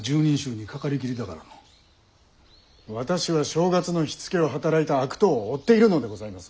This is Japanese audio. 私は正月の火付けを働いた悪党を追っているのでございます。